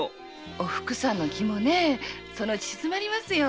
おふくさんの気もそのうち静まりますよ。